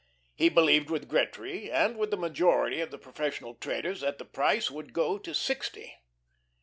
He believed with Gretry and with the majority of the professional traders that the price would go to sixty.